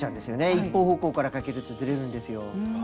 一方方向からかけるとずれるんですよ。